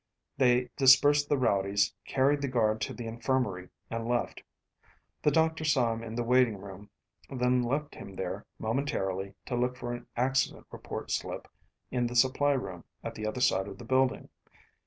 They dispersed the rowdies, carried the guard to the infirmary, and left. The doctor saw him in the waiting room, then left him there momentarily to look for an accident report slip in the supply room at the other side of the building.